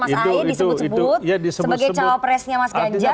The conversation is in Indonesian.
ini disebut sebut mas ahy disebut sebut sebagai cawapresnya mas ganjar